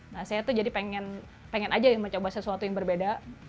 nah saya tuh jadi pengen aja mencoba sesuatu yang berbeda